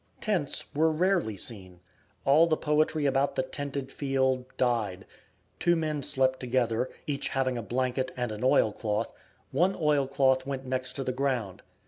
Tents were rarely seen. All the poetry about the "tented field" died. Two men slept together, each having a blanket and an oil cloth; one oil cloth went next to the ground.